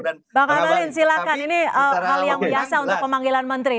ini hal yang biasa untuk pemanggilan menteri